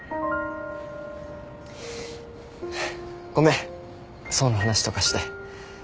ごめん想の話とかして。